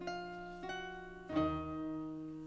bisa enak banget